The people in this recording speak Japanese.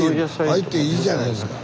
入っていいじゃないですか。